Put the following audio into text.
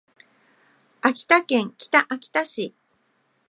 秋田県北秋田市